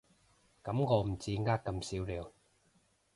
噉我唔止呃咁少了